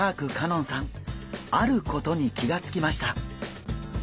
あることに気が付きました。